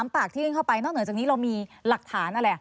ปากที่ยื่นเข้าไปนอกเหนือจากนี้เรามีหลักฐานอะไร